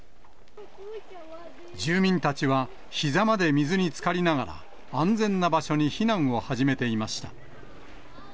住民たちはひざまで水につかりながら、安全な場所に避難を始めていました。